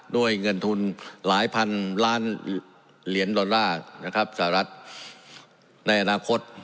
ด้วยเงินทุนหลายพันล้านเหรียญดอลลาร์นะครับสหรัฐในอนาคต